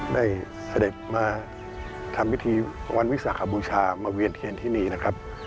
เสด็จมาทำพิธีวันวิสาขบูชามาเวียนเทียนที่นี่นะครับ